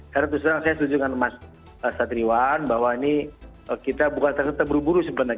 karena terserah saya setuju dengan mas satriwan bahwa ini kita bukan terserah terburu buru sebenarnya